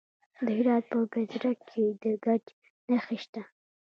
د هرات په ګذره کې د ګچ نښې شته.